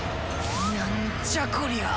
なんじゃこりゃああ！